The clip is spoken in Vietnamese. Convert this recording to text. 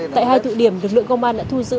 tại hai tụ điểm lực lượng công an đã thu giữ